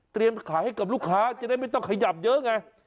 ขายให้กับลูกค้าจะได้ไม่ต้องขยับเยอะไง